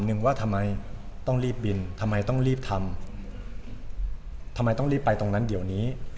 หนึ่งว่าทำไมต้องรีบบินทำไมต้องรีบทำทำไมต้องรีบไปตรงนั้นเดี๋ยวนี้